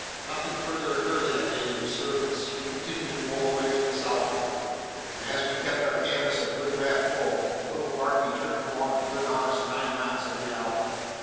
Nothing further occurred that day to disturb us. We continued to bowl away to the southward; and as we kept our canvas a good rap full, the little barkie tripped along a good honest nine knots every hour.